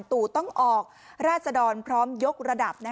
ตู่ต้องออกราศดรพร้อมยกระดับ